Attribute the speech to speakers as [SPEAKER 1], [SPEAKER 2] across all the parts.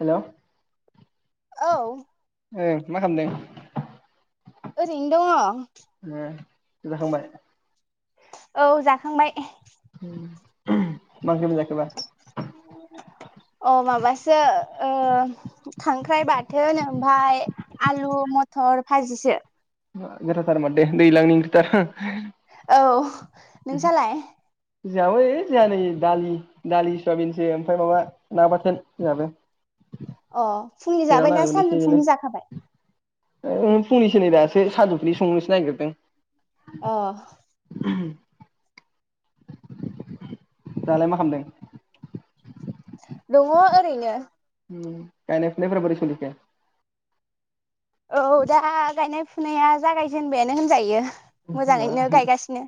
[SPEAKER 1] Hello
[SPEAKER 2] औ
[SPEAKER 1] मा खामदों?
[SPEAKER 2] ओरैनो दङ।
[SPEAKER 1] जाखांबाय
[SPEAKER 2] औ जाखांबाय।
[SPEAKER 1] उम
[SPEAKER 2] अ माबासो ओ खांख्राइ बाथोन ओमफाय आलु मथर भाजिसो
[SPEAKER 1] बा गोथावथार माथो दैलांनि ओंख्रिथार
[SPEAKER 2] औ नों सालाय
[SPEAKER 1] जोहाबो ओइ जोंहा नै दालि दालि सयाबिनसो ओमफ्राय माबा ना बाथोन जोहाबो
[SPEAKER 2] अ फुंनि जाबायना
[SPEAKER 1] बेनो
[SPEAKER 2] सानजुफुनि जाखाबाय
[SPEAKER 1] ओ फुंनिसो नै दासो सानजुफुनि संनोसो नागिरदों
[SPEAKER 2] अ
[SPEAKER 1] दालाय मा खामदों
[SPEAKER 2] दङ ओरैनो
[SPEAKER 1] ओम गायनाय फुनाय फोरा बोरै सोलिखो
[SPEAKER 2] औ दा गायनाय फुनाया जागायजेनबायानो होनजायो
[SPEAKER 1] बा
[SPEAKER 2] मोजाङैनो गायगासिनो।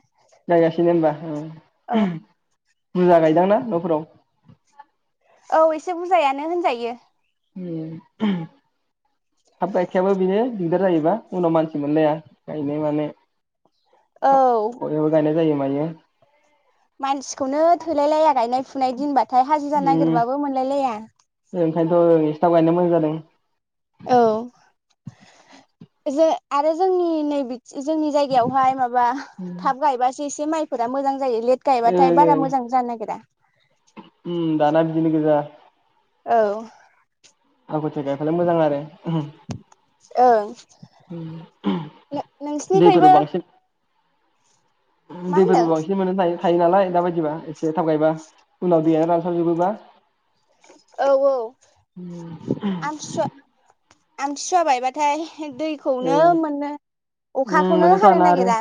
[SPEAKER 1] गायगासिनो होनबा
[SPEAKER 2] औ
[SPEAKER 1] ओ बुरजा गायोदांना न'फोराव
[SPEAKER 2] औ एसे बुरजायानो होनजायो
[SPEAKER 1] उम [unintelligible] थाब गायखायाबो बेनो दिगदार जायोबा उनाव मानसि मोनलाया गायनाय मानाय
[SPEAKER 2] औ
[SPEAKER 1] बयहाबो गायनाय जायो मायो
[SPEAKER 2] मानसिखौनो थोलाय लाया गायनाय फुनाय दिनबाथाय नाथाय हाजिरा
[SPEAKER 1] उम
[SPEAKER 2] नागिरबाबो मोनलाय लाया
[SPEAKER 1] ओंखायनोथ' सिथाव गायनो मोजां जादों
[SPEAKER 2] औ जे आरो जोंनि नैबे जोंनि जायगायावहाय माबा थाब गायबासो माइफोरा मोजां जायो लेट गायबाथाय
[SPEAKER 1] ओं
[SPEAKER 2] बारा
[SPEAKER 1] ओं
[SPEAKER 2] मोजां जानो नागेरा
[SPEAKER 1] जाना बिदिनो गोजा
[SPEAKER 2] औ
[SPEAKER 1] आगथिया गायबालाय मोजां आरो [unintelligible]
[SPEAKER 2] ओं
[SPEAKER 1] दैफोरबो
[SPEAKER 2] नोंसिनिखैबो
[SPEAKER 1] बांसिन [unintelligible]
[SPEAKER 2] मा होनदों
[SPEAKER 1] थायो नालाय दा बायदिबा एसे थाबगायबा उनाव दैयनो रानस्ला थाब जोबोबा
[SPEAKER 2] औ औ आमथिसुवा आमथिसुवा बायबाथाय दैखौनो मोननो
[SPEAKER 1] उम
[SPEAKER 2] अखाखौनो
[SPEAKER 1] मोननो
[SPEAKER 2] हानो
[SPEAKER 1] थाना आरो
[SPEAKER 2] नागिरा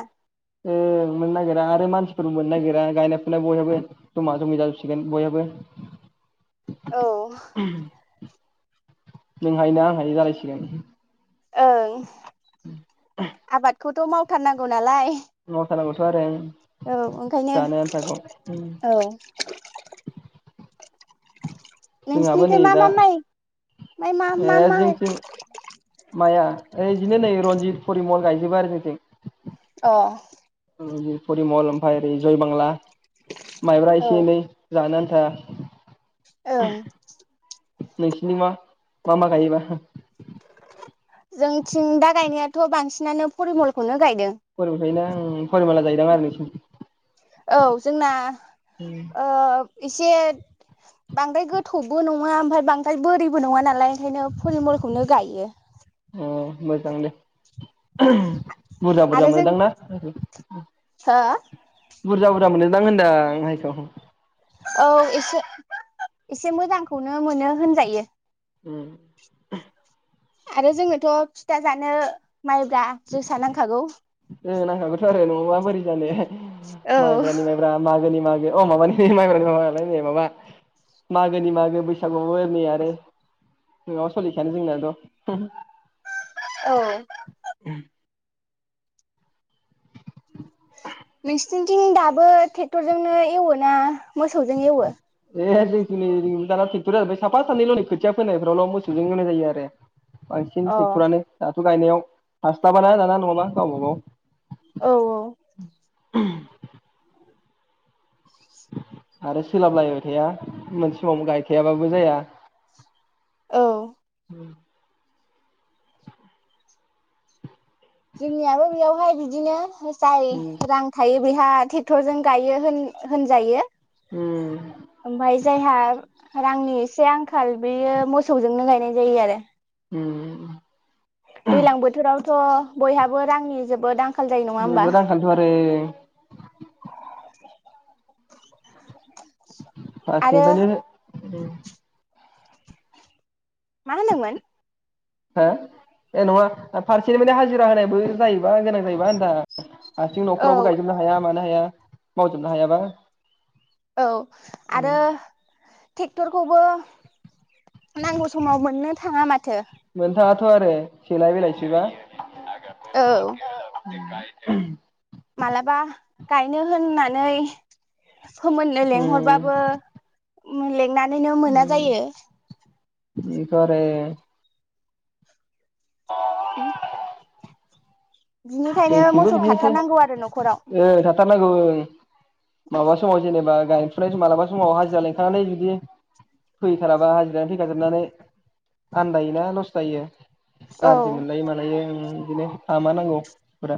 [SPEAKER 1] ओ मोननो नागिरा आरो मानसिफोरबो मोननो नागिरा गायनाय फुनाय बयहाबो जमा जमि जाजोबसिगोन बयहाबो।
[SPEAKER 2] औ।
[SPEAKER 1] नों हायोना आं हायो जालायसिगोन।
[SPEAKER 2] ओं। आबादखौ थ' मावथारनांगौ नालाय
[SPEAKER 1] मावखानांगौथ' आरो ओं।
[SPEAKER 2] औ ओंखायनो औ
[SPEAKER 1] जोंहाबो नै
[SPEAKER 2] नोंसिनिफ्राय मा
[SPEAKER 1] दा
[SPEAKER 2] मा माइ मा मा माइ
[SPEAKER 1] माया ओ बिदिनो नै रनजित, परिमल गायजोबो आरो जोंनिथिं
[SPEAKER 2] अ
[SPEAKER 1] परिमल ओमफाय ओरै जयबांला। माइब्रा
[SPEAKER 2] औ
[SPEAKER 1] एसे एनै जानो आ
[SPEAKER 2] ओं
[SPEAKER 1] था नोंसिनिबा मा मा गायोबा?
[SPEAKER 2] जोंथिं दा गायनायाथ' बांसिनानो फरिमलखौनो गायदों।
[SPEAKER 1] ओंखायनो आं फरिमला जायोदां आरो नोंसिनिथिं
[SPEAKER 2] औ जोंना ओ एसे बांद्राय गोथौबो नङा ओमफाय बांद्राय बोरिबो नङा नालाय ओंखायनो फरमलखौनो गायो।
[SPEAKER 1] ओ मोजां दे। बुरजा बुरजा
[SPEAKER 2] आरो जों
[SPEAKER 1] मोनोदां ना?
[SPEAKER 2] हो
[SPEAKER 1] बुरजा बुरजा मोनोदां होनदां माइखौ।
[SPEAKER 2] औ एसे एसे मोजांखौनो मोनो होनजायो।
[SPEAKER 1] उम।
[SPEAKER 2] आरो जोङोथ' फिथा जानो माइब्रा जोसा नांखागौ।
[SPEAKER 1] ओ नांखागौथ' आरो नङाबा बोरै जानो।
[SPEAKER 2] औ
[SPEAKER 1] माइब्रानि माइब्रा मागोनि मागो अ माबानि माइब्रा मालाय नै माबा मागोनि मागो बैसागुआवबो नै आरो नोंआबा सोलिखायानो जोंनाथ'
[SPEAKER 2] औ। सिनिथिं दाबो टेक्टरजोंनो एवोना मोसौजों एवो?
[SPEAKER 1] ए जिखिनि दाना टेक्टर जाजोबाय साफा सानैल' नै खोथिया फोनायफ्रावल' मोसौजों होनाय जायो आरो। बांसिन
[SPEAKER 2] अ
[SPEAKER 1] टेकटर आनो दा बे गायनायाव हासथाबाना दाना नङाबा गावबागाव
[SPEAKER 2] औ औ।
[SPEAKER 1] [inaudible] आरो सोलाबलायबाय थाया मोनसे समावनो गायखायाबाबो जाया।
[SPEAKER 2] औ
[SPEAKER 1] उम।
[SPEAKER 2] जोंनियाबो बेयावहाय बिदिनो जाय रां थायो बेहा टेक्टरजों गायो होन होनजायो
[SPEAKER 1] उम
[SPEAKER 2] ओमफाय जायहा रांनि एसे आंखाल बेयो मोसौजोंनो गायनाय जायो आरो
[SPEAKER 1] उम
[SPEAKER 2] दैलां बोथोरावथ' बयहाबो रांनि जोबोद आं
[SPEAKER 1] जोबोर आंखालथ आरो
[SPEAKER 2] [inaudible] आरो
[SPEAKER 1] [unintelligible] उम
[SPEAKER 2] मा होनदोंमोन
[SPEAKER 1] हो ए नङा फारसेनिफायनो हाजिरा होनायबो जायोबा गोनां जायोबा होनदां हाथिं
[SPEAKER 2] औ
[SPEAKER 1] न'फ्रावबो गायजोबनो हाया मानो हाया मावजोबनो हायाबा
[SPEAKER 2] औ आरो ट्रेक्टरखौबो नांगौ समाव मोननो थाङा माथो
[SPEAKER 1] मोनथाङाथ' आरो सेलाय बिलाइसोबा
[SPEAKER 2] औ
[SPEAKER 1] [unintelligible]
[SPEAKER 2] मालाबा गायनो होननानै फोमोननो
[SPEAKER 1] उम
[SPEAKER 2] लिंहरबाबो लेंनानै नो मोना जायो
[SPEAKER 1] बेथ' आरो [inaudible]
[SPEAKER 2] [unintelligible] बिनिखायनो
[SPEAKER 1] जोंथिंबो
[SPEAKER 2] मोसौ
[SPEAKER 1] बिदिनोसै
[SPEAKER 2] थाथारनांगौ आरो न'खराव
[SPEAKER 1] ओ थाथारनांगौ ओं माबा समाव जेनेबा गायफुनाय मालाबा समाव हाजिरा लिखांनानै जुदि फैथाराबा हाजिरानि फैखाजोबनानै आनदायोना लस जायो
[SPEAKER 2] औ
[SPEAKER 1] गाज्रि मोनलायो मालायो ओं बिदिनो थामार नांगौ टरा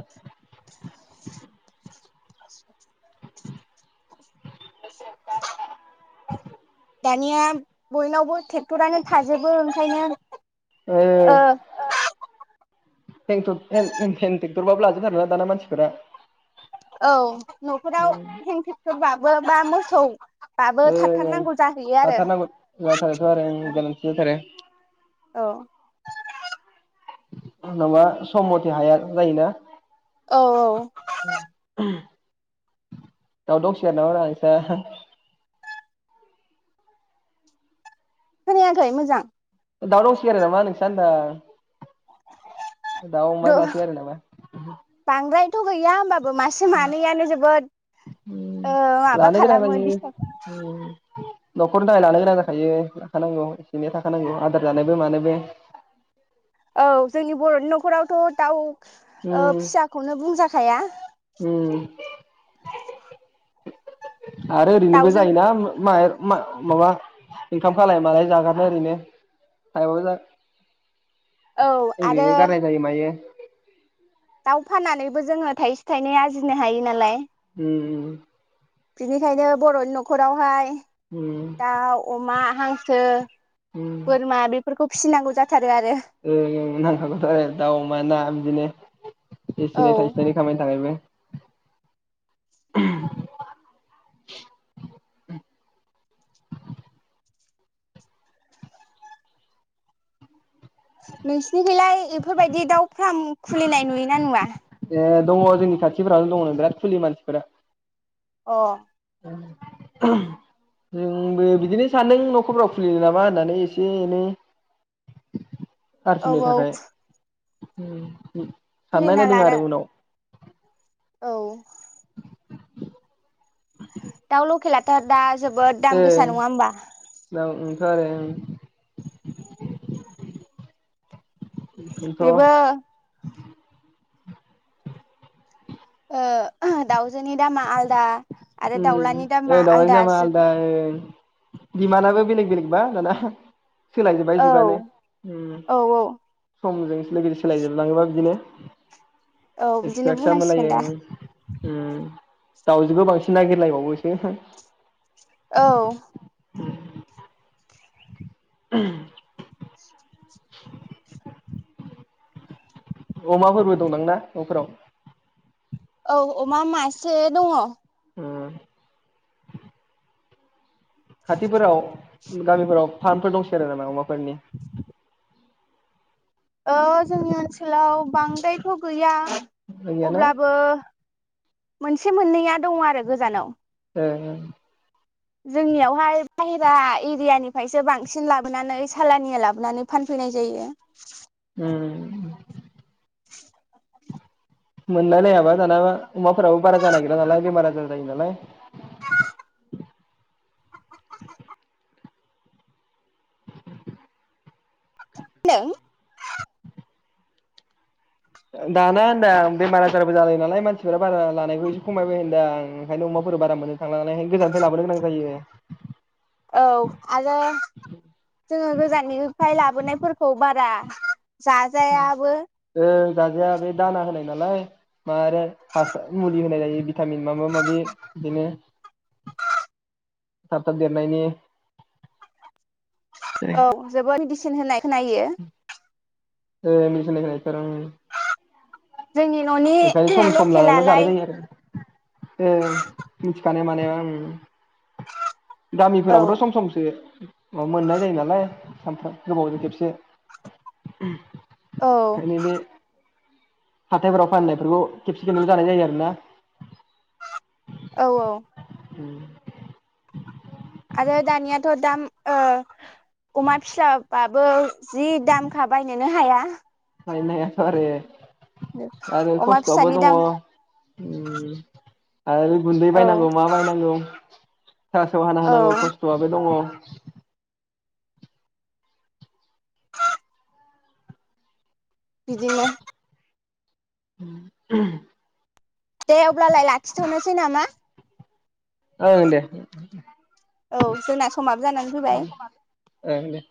[SPEAKER 2] दानिया बयनावबो ट्रेक्टरानो थाजोबो ओंखायनो
[SPEAKER 1] ओ
[SPEAKER 2] औ
[SPEAKER 1] हेन टेक हेन टेक्टरबाबो लाजोबो आरोना दाना मानसिफोरा
[SPEAKER 2] औ न'खराव हेन टेक्टरबा बाबो बा मोसौ बाबो
[SPEAKER 1] ए
[SPEAKER 2] थाथारनांगौ जाहैयो आरो
[SPEAKER 1] जाथार नांगौ जाथारो थ आरो ओं गोनांथि जाथारो
[SPEAKER 2] औ
[SPEAKER 1] माबा सम मथे हाया जायोना
[SPEAKER 2] औ औ
[SPEAKER 1] [unintelligible] दाव दंसोगारोनामा ब्रा नोंसा [unintelligible]
[SPEAKER 2] खोनायाखै मोजां
[SPEAKER 1] दाव दंसोगारोनामा नोंसा होन ओं दाव अमा लासोगारो नामा
[SPEAKER 2] बांद्रायथ' गैया ओमबाबो मासे मानैआनो जोबोद ओ माबा
[SPEAKER 1] लानो गोनां
[SPEAKER 2] खालामो
[SPEAKER 1] जायो
[SPEAKER 2] दिस्टार्ब खा
[SPEAKER 1] उम न'खरनि थाखाय लानो गोनां जाखायो लाखानांगौ एसे एनै थाखानांगौ आदार जानोबो मानोबो
[SPEAKER 2] औ जोंनि बर'नि न'खरावथ' दाउ ओ फियाखौनो बुंजा खाया
[SPEAKER 1] ओम आरो ओरैनोबो
[SPEAKER 2] दाउजों
[SPEAKER 1] जायोना म माबा इनखाम खाल मालाय जागारनो ओरैनो टाइमाबो
[SPEAKER 2] औ आरो
[SPEAKER 1] ओरैनो गारनाय जायो मायो
[SPEAKER 2] दाउ फाननानैबो जोङो थाइसे थाइनै आरजिनो हायो नालाय
[SPEAKER 1] उम
[SPEAKER 2] बिनिखायनो बर'नि न'खरावहाय
[SPEAKER 1] उम
[SPEAKER 2] दाउ अमा हांसो
[SPEAKER 1] उम
[SPEAKER 2] बोरमा फोरखौ फिनांगौ जाथ
[SPEAKER 1] [unintelligible] एसे एनै
[SPEAKER 2] औ
[SPEAKER 1] थायसे थायनै खामायनो थाखायबो
[SPEAKER 2] नोंसिनिखैलाय एफोरबायदि दाउ फार्म खुलिनाय नुयोना नुवा
[SPEAKER 1] ए दङ जोंनि खाथिफोरालो दङ बिराद खुलियो मानसिफोरा
[SPEAKER 2] अ
[SPEAKER 1] जोंबो बिदिनो सान्दों न'खरफोराव खुलियो नामा होननानै एसे एनै
[SPEAKER 2] औ
[SPEAKER 1] आरजिनो
[SPEAKER 2] औ
[SPEAKER 1] थाखाय उम सननाय
[SPEAKER 2] खुलिना
[SPEAKER 1] नायदों
[SPEAKER 2] लानो
[SPEAKER 1] आरो उनाव
[SPEAKER 2] औ दाव लखेलाथ दा जोबोद दाम
[SPEAKER 1] ओ
[SPEAKER 2] गोसा नङा होमबा
[SPEAKER 1] ओंथ' आरो उम
[SPEAKER 2] बेबो
[SPEAKER 1] [unintelligible]
[SPEAKER 2] ओ दाउजोनि दामा आलदा आरो
[SPEAKER 1] उम
[SPEAKER 2] दाउलानि दामा
[SPEAKER 1] ओ दाउलानि दामा आलदा ओं दिमानाबो बेलेग बेलेग बा दाना सोलायजोबबाय
[SPEAKER 2] औ
[SPEAKER 1] जुगानो उम
[SPEAKER 2] औ औ
[SPEAKER 1] समजोंसो लोगोसे सोलायजोबलाङोबा बिदिनो
[SPEAKER 2] औ बिदिनो बुंनांसिगोन दा
[SPEAKER 1] उम [unintelligible] दाउजोखौ बांसिन नागिरलायबावोसो
[SPEAKER 2] औ
[SPEAKER 1] [inaudible]
[SPEAKER 2] [inaudible]
[SPEAKER 1] अमाफोरबो दं दांना न'फोराव
[SPEAKER 2] औ अमा मासे दङ
[SPEAKER 1] खाथिफोराव गामिफोराव फार्मफोर दंसै आरो नामा फोरनि?
[SPEAKER 2] जोंनि ओनसोलाव बांद्रायथ' गैया
[SPEAKER 1] गैयाना
[SPEAKER 2] अब्लाबो मोनसे मोननैया दङ आरो गोजानाव।
[SPEAKER 1] ए
[SPEAKER 2] जोंनियावहाय बाहेरा एरियानिफ्रायसो बांसिन लाबोनानै सालानिया लाबोनानै फानफैनाय जायो।
[SPEAKER 1] उम उम
[SPEAKER 2] [inaudible]
[SPEAKER 1] मोनलायनायाबा दानाबा अमाफोराबो बारा जानायगिरा नालाय बेमार आजार जायो नालाय
[SPEAKER 2] मा होनदों?
[SPEAKER 1] दाना होनदां आं बेमार आजारबो जालायो नालाय मानसिफोरा बारा लानायखौ एसे खमायबाय होनदों आं ओंखायनो अमाफोर बारा मोनो थांला नालाय ओंखायनो गोजाननिफ्राय लाबोनो गोनां जायो।
[SPEAKER 2] औ आरो जोङो गोजाननिफ्राय लाबोनायफोरखौ बारा जाजाया आबो
[SPEAKER 1] ओ जाजाया बे दाना होनाय नालाय म हासार मुलि होनाय जायो भिटामिन माबा माबि बिदिनो थाब थाब देरनायनि
[SPEAKER 2] औ जोबोर मेदि सिन होनाय खोनायो।
[SPEAKER 1] ओ मिदिसिन होनाय खोनायो थर'
[SPEAKER 2] जोंनि न'नि लकेेला लाय
[SPEAKER 1] ए मिथिखानाय माने ओं
[SPEAKER 2] औ
[SPEAKER 1] गामिफोरावबोथ' सम समसो मोननाय जायो नालाय सानफ्राम गोबावजों खेबसे
[SPEAKER 2] औ
[SPEAKER 1] ओंखायनो बे हाथायफोराव फाननायफोरखौ खेबसे खेबनैल' जानाय जायो आरोना।
[SPEAKER 2] औ औ।
[SPEAKER 1] [inaudible]
[SPEAKER 2] आरो दानियाथ' दाम ओ अमा फिसाबाबो जि दामखा बायनोनो हाया।
[SPEAKER 1] बायनोनो हाया थ' आरो आरो
[SPEAKER 2] अमा
[SPEAKER 1] खस्थ'आवबो
[SPEAKER 2] फिसानि
[SPEAKER 1] दङ।
[SPEAKER 2] दाम
[SPEAKER 1] उम आरो गुन्दै
[SPEAKER 2] औ
[SPEAKER 1] बायनांगौ मा बायनांगौ। थास' हाना
[SPEAKER 2] औ
[SPEAKER 1] होनांगौ खस्थ'आबो दङ। [inaudible]
[SPEAKER 2] बिदिनो
[SPEAKER 1] [unintelligible]
[SPEAKER 2] दे अब्लालाय लाखिथ'नोसै नामा?
[SPEAKER 1] ओं दे
[SPEAKER 2] औ जोंना समाबो जानानै फैबाय।
[SPEAKER 1] ओं दे।